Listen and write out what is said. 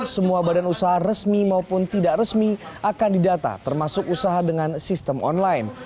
semua badan usaha resmi maupun tidak resmi akan didata termasuk usaha dengan sistem online